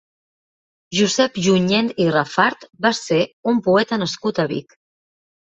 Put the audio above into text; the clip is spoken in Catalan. Josep Junyent i Rafart va ser un poeta nascut a Vic.